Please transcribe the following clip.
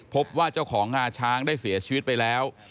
พบว่าเจ้าของงาช้างได้เสียชีวิตไปแล้ว